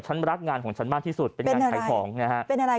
รักงานของฉันมากที่สุดเป็นการขายของนะฮะเป็นอะไร